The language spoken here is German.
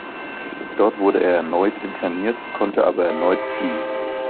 Dort wurde er erneut interniert, konnte aber erneut fliehen.